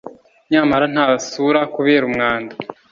Nyamara nta isura kubera umwanda